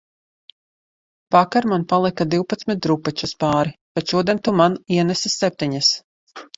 Vakar man palika divpadsmit drupačas pāri, bet šodien tu man ienesi septiņas